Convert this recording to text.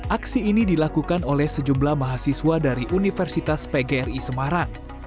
aksi ini dilakukan oleh sejumlah mahasiswa dari universitas pgri semarang